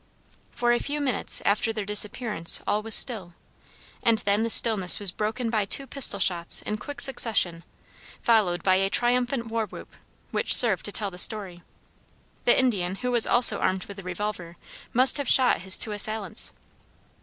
For a few minutes after their disappearance all was still, and then the silence was broken by two pistols shots in quick succession, followed by a triumphant war whoop, which served to tell the story. The Indian, who was also armed with a revolver, must have shot his two assailants.